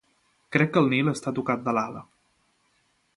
Crec que el Nil està tocat de l'ala.